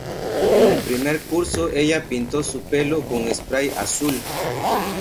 En el primer curso, ella pintó su pelo con spray azul.